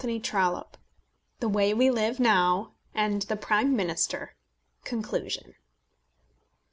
CHAPTER XX. THE WAY WE LIVE NOW AND THE PRIME MINISTER CONCLUSION.